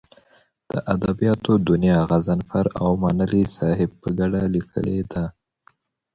د ادبیاتو دونیا غضنفر اومنلی صاحب په کډه لیکلې ده.